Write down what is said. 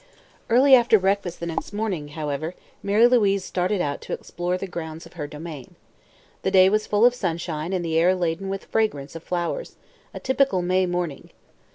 Early after breakfast the next morning, however, Mary Louise started out to explore the grounds of her domain. The day was full of sunshine and the air laden with fragrance of flowers a typical May morning.